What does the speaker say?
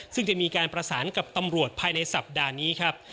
ซึ่งจะมีการประสานกับตำรวจภายในสัปดาห์นี้ครับ